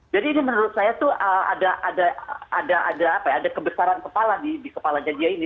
jadi ini menurut saya itu ada kebesaran kepala di kepala dia ini